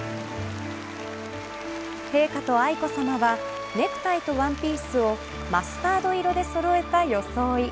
陛下と愛子さまはネクタイとワンピースをマスタード色でそろえた装い。